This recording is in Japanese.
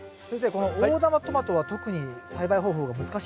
この大玉トマトは特に栽培方法が難しいですよね。